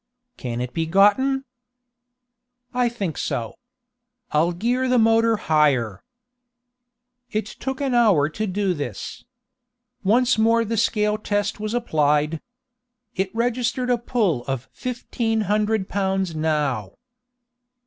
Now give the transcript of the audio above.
"Can it be gotten?" "I think so. I'll gear the motor higher." It took an hour to do this. Once more the scale test was applied. It registered a pull of fifteen hundred pounds now.